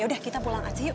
yaudah kita pulang aja yuk